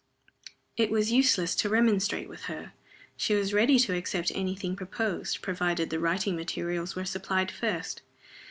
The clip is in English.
It was useless to remonstrate with her. She was ready to accept any thing proposed, provided the writing materials were supplied first.